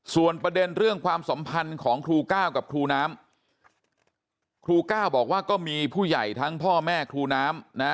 ส่วนประเด็นเรื่องความสัมพันธ์ของครูก้าวกับครูน้ำครูก้าวบอกว่าก็มีผู้ใหญ่ทั้งพ่อแม่ครูน้ำนะ